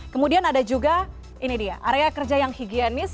kemudian ada juga ini dia area kerja yang higienis